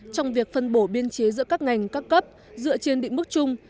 trong việc phân bổ biên chế giữa các ngành các cấp dựa trên định mức chung